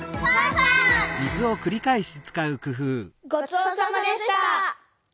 ごちそうさまでした。